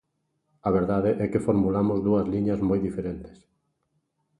A verdade é que formulamos dúas liñas moi diferentes.